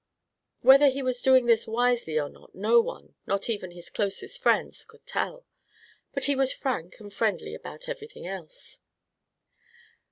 Whether he was doing this wisely or not no one not even his closest friends could tell. But he was frank and friendly about everything else.